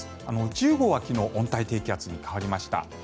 １０号は昨日温帯低気圧に変わりました。